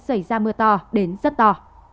xảy ra mưa to đến rất to